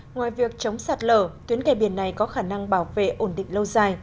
ngoài việc chống sạt lở tuyến kè biển này có khả năng bảo vệ ổn định lâu dài